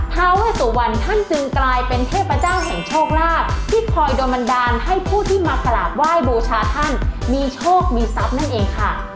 ท้าเวสุวรรณท่านจึงกลายเป็นเทพเจ้าแห่งโชคลาภที่คอยโดนบันดาลให้ผู้ที่มากราบไหว้บูชาท่านมีโชคมีทรัพย์นั่นเองค่ะ